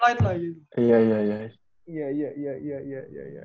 istilahnya kayak laku laku